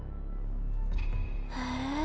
へえ。